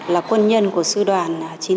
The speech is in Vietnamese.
là quân nhân của sư đoàn chín trăm chín mươi tám